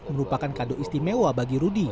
merupakan kado istimewa bagi rudy